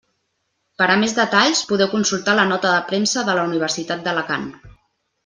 Per a més detalls, podeu consultar la Nota de Premsa de la Universitat d'Alacant.